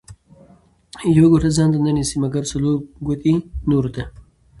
ـ يوه ګوته ځانته نه نيسي، مګر څلور ګوتې نورو ته.